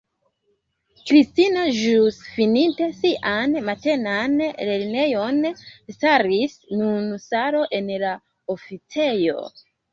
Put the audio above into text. Kristina, ĵus fininte sian matenan lernejon, staris nun sola en la oficejo.